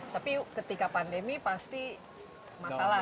tapi ketika pandemi pasti masalah